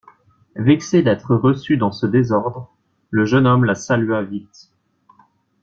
Vexé d'être reçu dans ce désordre, le jeune homme la salua vite.